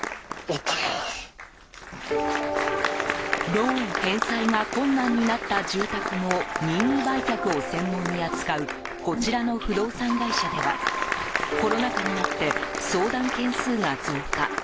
ローン返済が困難になった住宅の任意売却を専門に扱うこちらの不動産会社ではコロナ禍になって相談件数が増加。